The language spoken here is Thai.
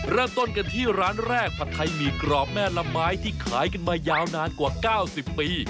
เริ่มต้นกันที่ร้านแรกผัดไทยหมี่กรอบแม่ละไม้ที่ขายกันมายาวนานกว่า๙๐ปี